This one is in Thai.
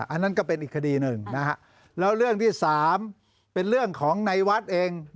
อันนั้นก็เป็นอีกคดีหนึ่งนะฮะแล้วเรื่องที่สามเป็นเรื่องของในวัดเอง